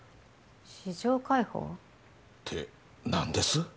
市場開放？って何です？